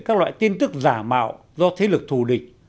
các loại tin tức giả mạo do thế lực thù địch